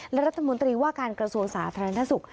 และรัฐมนตรีว่าการกระทรวงสาธารณสุข